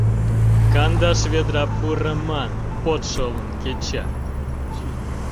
Кандаш ведра пурыман под шолын кеча.